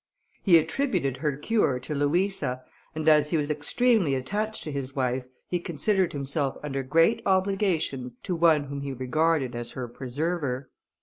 He attributed her cure to Louisa, and as he was extremely attached to his wife, he considered himself under great obligations to one whom he regarded as her preserver.